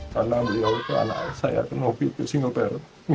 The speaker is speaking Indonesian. karena beliau anak saya kemau pergi ke singapura